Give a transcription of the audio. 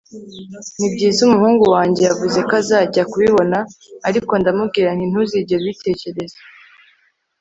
nibyiza, umuhungu wanjye yavuze ko azajya kubibona, ariko ndamubwira nti ntuzigere ubitekereza